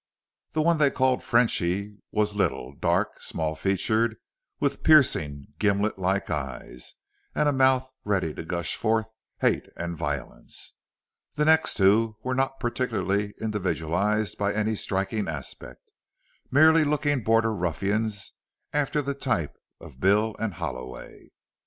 The one they called Frenchy was little, dark, small featured, with piercing gimlet like eyes, and a mouth ready to gush forth hate and violence. The next two were not particularly individualized by any striking aspect, merely looking border ruffians after the type of Bill and Halloway.